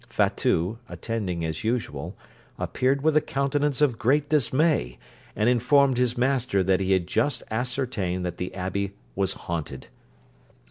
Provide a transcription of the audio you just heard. Fatout, attending as usual, appeared with a countenance of great dismay, and informed his master that he had just ascertained that the abbey was haunted.